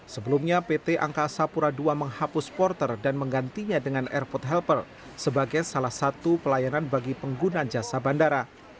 sebelumnya pt angkasa pura ii menghapus porter dan menggantinya dengan airport helper sebagai salah satu pelayanan bagi pengguna jasa bandara